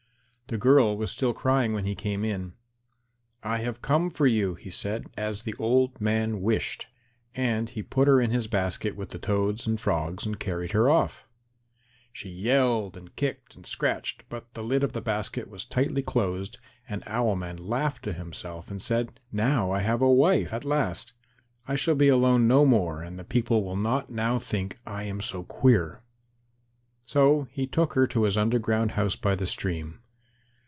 The girl was still crying when he came in. "I have come for you," he said, "as the old man wished." And he put her in his basket with the toads and frogs and carried her off. She yelled and kicked and scratched, but the lid of the basket was tightly closed and Owl man laughed to himself and said, "Now I have a wife at last. I shall be alone no more, and the people will not now think I am so queer." So he took her to his underground house by the stream.